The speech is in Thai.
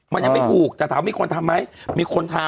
มันยังไม่ถูกแต่ถามมีคนทำไหมมีคนทำ